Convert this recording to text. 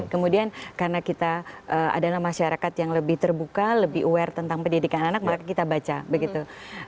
kemudian karena kita adalah masyarakat yang lebih terbuka lebih aware tentang pendidikan anak maka kita baca begitu